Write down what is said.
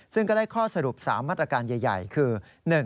ซึ่งก็ได้ข้อสรุป๓มาตรการใหญ่คือ